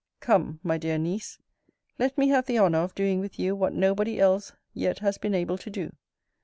Come, my dear niece, let me have the honour of doing with you what no body else yet has been able to do.